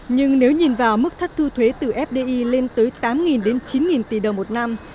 nhưng nếu nhìn vào mức thất thu thuế từ fdi lên tới tám đến chín tỷ đồng một năm